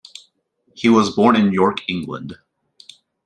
He was born in York, England.